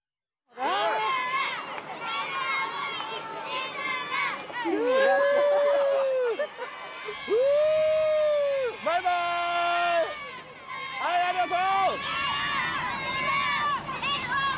はいありがとう！